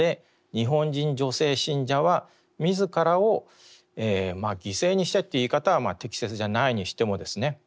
日本人女性信者は自らを犠牲にしてという言い方は適切じゃないにしてもですね